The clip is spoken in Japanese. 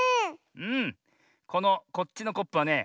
このこっちのコップはね。